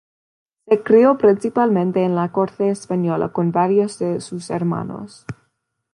Se crió principalmente en la corte española con varios de sus hermanos.